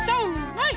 はい！